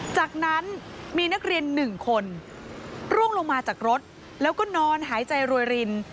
จากนั้นมีนักเรียน๑คนร่วงลงมาจากรถแล้วก็นอนหายใจรวยริน